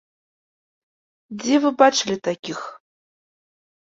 Дзе вы бачылі такіх?